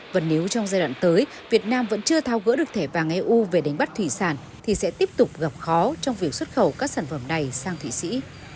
và nếu trong giai đoạn tới việt nam vẫn chưa thao gỡ được thẻ vàng eu về đánh bắt thủy sản thì sẽ tiếp tục gặp khó trong việc xuất khẩu các sản phẩm này sang thụy sĩ